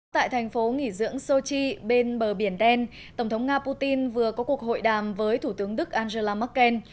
tại thành phố nghỉ dưỡng sochi bên bờ biển đen tổng thống nga putin vừa có cuộc hội đàm với thủ tướng đức angela merkel